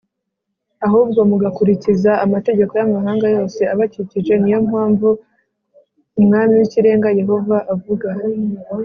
ahubwo mugakurikiza amategeko y amahanga yose abakikije ni yo mpamvu Umwami w Ikirenga Yehova avuga